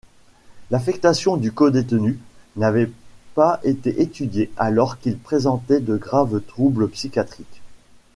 L'affectation du codétenu n'avait pas été étudiée alors qu'il présentait de graves troubles psychiatriques.